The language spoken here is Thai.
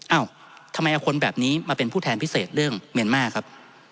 เอ้าทำไมเอาคนแบบนี้มาเป็นผู้แทนพิเศษเรื่องเมียนมาร์ครับ